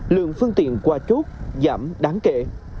lượng phương tiện qua chốt giảm đáng kể